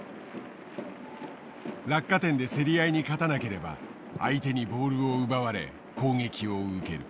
落下点で競り合いに勝たなければ相手にボールを奪われ攻撃を受ける。